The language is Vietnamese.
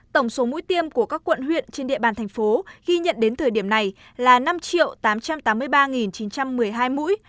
tổng số mũi tiêm của các quận huyện trên địa bàn thành phố ghi nhận đến thời điểm này là năm tám trăm tám mươi ba chín trăm một mươi hai mũi